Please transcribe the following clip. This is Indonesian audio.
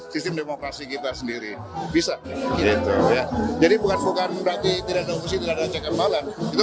sistem demokrasi kita sendiri bisa jadi bukan bukan berarti tidak ada opsi tidak ada cek rempalan itu